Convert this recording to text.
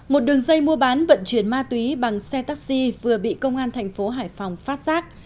một đường dây mua bán vận chuyển ma túy bằng xe taxi vừa bị công an thành phố hải phòng phát giác